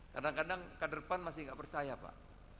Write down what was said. kadang kadang ke depan masih gak percaya pak